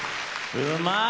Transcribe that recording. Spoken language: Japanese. うまい！